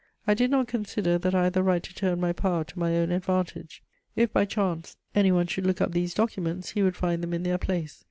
I did not consider that I had the right to turn my power to my own advantage. If, by chance, any one should look up these documents, he would find them in their place.